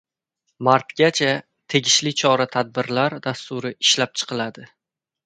Martgacha tegishli chora-tadbirlar dasturi ishlab chiqiladi.